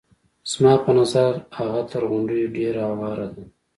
زما په نظر هغه تر غونډیو ډېره هواره ده.